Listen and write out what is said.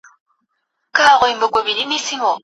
مریان په همغه خدای عقیده لري چي شتمن یې لري.